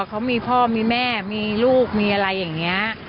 เขามีพ่อมีแม่มีลูกมีอะไรอย่างนี้